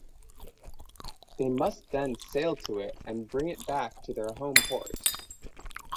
They must then sail to it and bring it back to their home port.